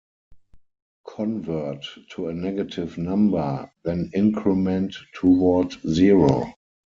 Convert to a negative number, then increment toward zero.